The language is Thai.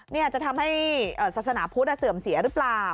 นี่จะทำให้ศาสนาพุทธเสื่อมเสียหรือเปล่า